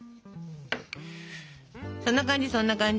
そんな感じそんな感じ。